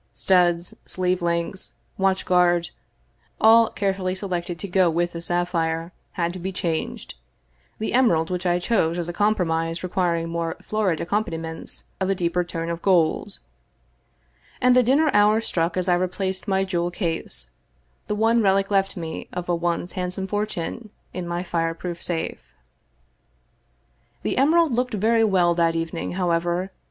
Studs, sleeve links, watch guard, all carefully selected to go with the sapphire, had to be changed, the emerald which I chose as a compro mise requiring more florid accompaniments of a deeper tone of gold ; and the dinner hour struck as I replaced my jewel case, the one relic left me of a once handsome fortune, in my fireproof safe. The emerald looked very well that evening, however.